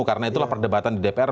karena itulah perdebatan di dpr